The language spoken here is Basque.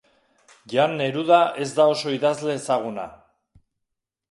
Jan Neruda ez da oso idazle ezaguna.